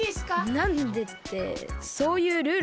なんでってそういうルールだから。